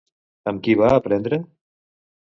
Amb qui va aprendre?